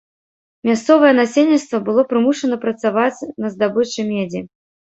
Мясцовае насельніцтва было прымушана працаваць на здабычы медзі.